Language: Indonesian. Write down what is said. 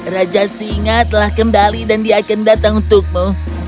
raja singa telah kembali dan dia akan datang untukmu